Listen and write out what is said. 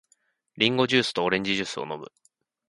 リンゴジュースとオレンジジュースを飲む。